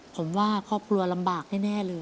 ผมว่าครอบครัวลำบากแน่เลย